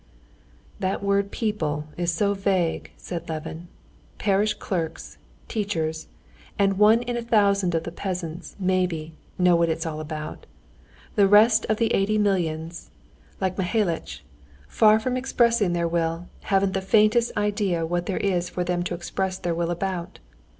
"That word 'people' is so vague," said Levin. "Parish clerks, teachers, and one in a thousand of the peasants, maybe, know what it's all about. The rest of the eighty millions, like Mihalitch, far from expressing their will, haven't the faintest idea what there is for them to express their will about.